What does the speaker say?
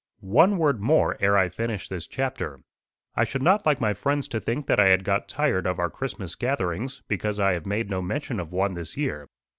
One word more ere I finish this chapter. I should not like my friends to think that I had got tired of our Christmas gatherings, because I have made no mention of one this year.